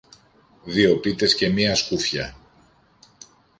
δυο πίτες και μια σκούφια.